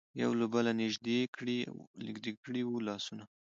یو له بله نژدې کړي وو لاسونه.